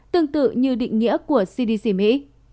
tương tự như định nghĩa của cdc mỹ